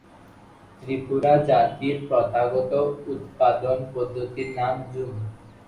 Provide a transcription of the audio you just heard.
ত্রিপুরা জাতির প্রথাগত উৎপাদন পদ্ধতির নাম জুম।